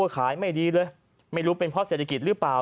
ขายไม่ดีเลยไม่รู้เป็นเพราะเศรษฐกิจหรือเปล่า